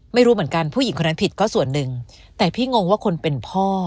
ไม่รู้เหมือนกันผู้หญิงคนนั้นผิดก็ส่วนหนึ่งแต่พี่งงว่าคนเป็นพ่อ